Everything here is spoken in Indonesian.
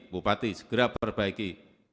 bupati segera perbaiki